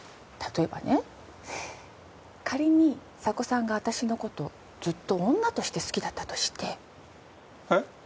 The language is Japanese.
例えばね仮に迫さんが私のことずっと女として好きだったとしてえっ？